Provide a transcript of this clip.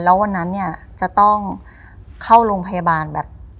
แล้ววันนั้นเนี่ยจะต้องเข้าโรงพยาบาลแบบ